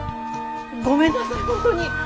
ごめんなさい本当に。